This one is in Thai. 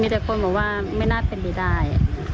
มีแต่คนบอกว่าไม่น่าเป็นไปได้